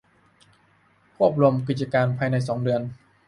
ควบรวมกิจการภายในสองเดือน